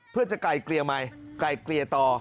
เพื่อจะไกลเกลี่ยใหม่ไกลเกลี่ยต่อ